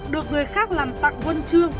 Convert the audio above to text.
được người khác làm tặng huân chương